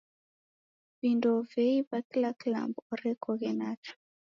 Vidoi veiw'a kila kilambo orekoghe nacho.